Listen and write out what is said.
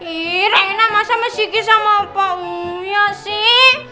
ih rena masa sama kiki sama pak uya sih